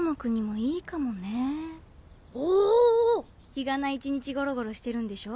日がな一日ゴロゴロしてるんでしょ？